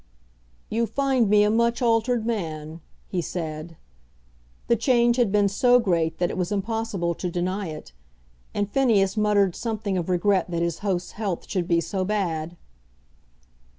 "You find me a much altered man," he said. The change had been so great that it was impossible to deny it, and Phineas muttered something of regret that his host's health should be so bad.